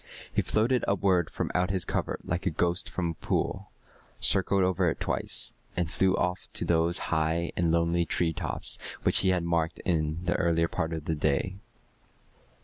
He floated upward from out his covert like a ghost from a pool, circled over it twice, and flew off to those high and lonely treetops which he had marked in the earlier part of the day.